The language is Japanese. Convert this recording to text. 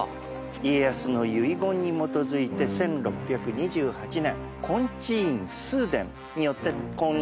家康の遺言に基づいて１６２８年。